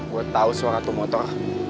buat tau suara tuh motor